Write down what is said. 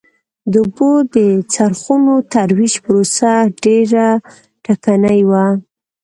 د اوبو د څرخونو ترویج پروسه ډېره ټکنۍ وه.